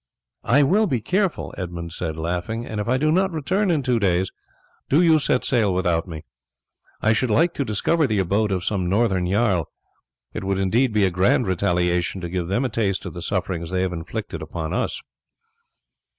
"I will be careful," Edmund said, laughing; "and if I do not return in two days do you set sail without me. I should like to discover the abode of some Northern jarl; it would indeed be a grand retaliation to give them a taste of the sufferings they have inflicted upon us."